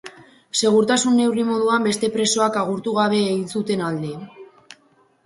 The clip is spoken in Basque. Segurtasun-neurri moduan beste presoak agurtu gabe egin zuten alde.